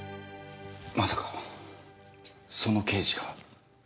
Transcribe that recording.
まさかその刑事が？